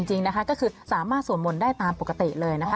จริงนะคะก็คือสามารถสวดมนต์ได้ตามปกติเลยนะคะ